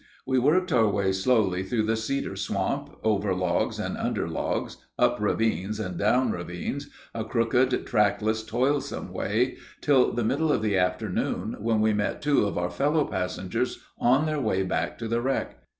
We worked our way slowly through the cedar swamp; over logs and under logs, up ravines and down ravines, a crooked, trackless, toilsome way, till the middle of the afternoon, when we met two of our fellow passengers on their way back to the wreck.